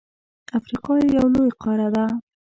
افریقا یو لوی قاره ده.